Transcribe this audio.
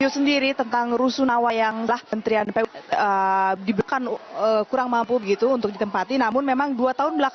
sejak kapan jadi anak